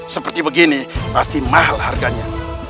seperti begini pasti mahal harganya